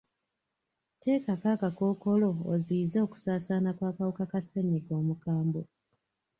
Tekako akakookolo oziyizze okusaasaana kw'akawuka ka ssenyiga omukambwe.